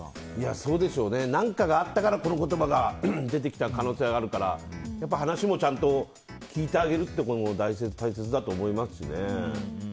何かがあったからこの言葉が出てきた可能性はあるから、話もちゃんと聞いてあげることも大切だと思いますしね。